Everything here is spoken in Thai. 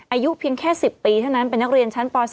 อายุเพียงแค่๑๐ปีเท่านั้นเป็นนักเรียนชั้นป๔